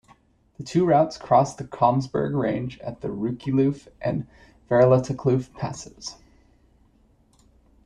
The two routes cross the Komsberg Range at the Rooikloof and Verlatekloof passes.